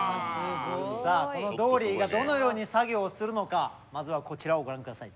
さあこのドーリーがどのように作業をするのかまずはこちらをご覧下さい。